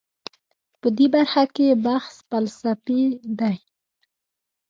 په دې برخه کې بحث فلسفي دی.